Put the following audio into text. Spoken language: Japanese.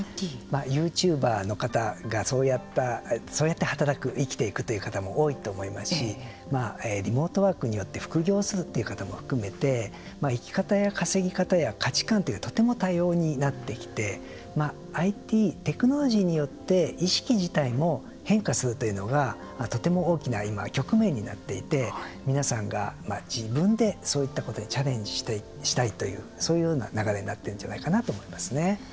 ユーチューバーの方がそうやって働く、生きていくという方も多いと思いますしリモートワークによって副業するという方も含めて生き方や稼ぎ方や価値観がとても多様になってきてＩＴ、テクノロジーによって意識自体も変化するというのがとても大きな今局面になっていて皆さんが自分でそういったことにチャレンジしたいというそういうような流れになっているんじゃないかなと思いますね。